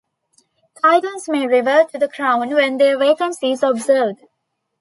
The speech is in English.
Titles may revert to the Crown when their vacancy is observed.